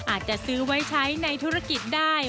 อาจจะซื้อไว้ใช้ในธุรกิจได้